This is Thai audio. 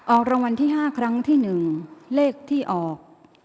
รางวัลที่๕ครั้งที่๑เลขที่ออก